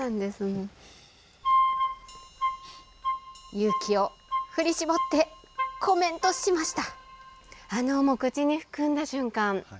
勇気を振り絞ってコメントしました。